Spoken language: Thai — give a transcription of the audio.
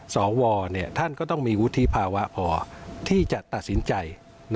สวท่านก็ต้องมีวุฒิภาวะพอที่จะตัดสินใจ